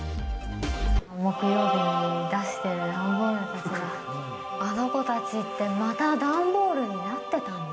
木曜日に出してる段ボールたちは、あの子たちってまた段ボールになってたんだ。